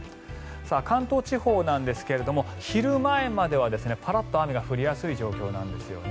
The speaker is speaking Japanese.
関東地方なんですが昼前まではパラッと雨が降りやすい状況なんですよね。